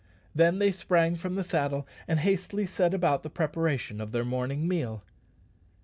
Then they sprang from the saddle, and hastily set about the preparation of their morning meal.